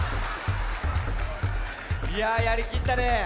いややりきったね。